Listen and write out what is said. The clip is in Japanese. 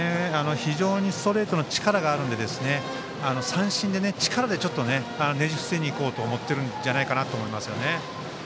非常にストレートの力があるので三振で、力でねじ伏せに行こうと思っているんじゃないかなと思いますね。